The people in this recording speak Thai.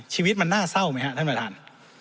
ชีวิตมันน่าเศร้าไหมครับท่านประธาน